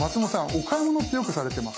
お買い物ってよくされてますか？